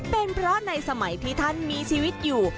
เป็นเพราะในสมัยที่ท่านมีชีวิตอยู่